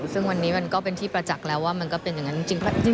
ซึ่งวันนี้มันก็เป็นที่ประจักษ์แล้วว่ามันก็เป็นอย่างนั้นจริง